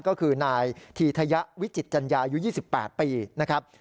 ก็คือนายธีทยะวิจิตจัญญาอายุ๒๘ปีนะครับ